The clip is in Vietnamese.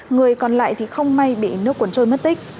người còn lại thì không may bị nước cuốn trôi mất tích